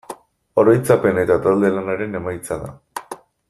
Oroitzapen eta talde-lanaren emaitza da.